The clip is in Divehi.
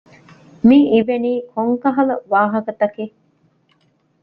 މި އިވެނީ ކޮން ކަހަލަ ވާހަކަތަކެއް؟